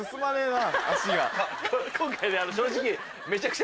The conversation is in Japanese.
今回正直。